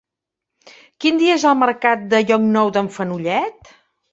Quin dia és el mercat de Llocnou d'en Fenollet?